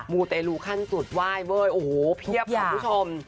ูเตลูขั้นสุดไหว้เว้ยโอ้โหเพียบคุณผู้ชม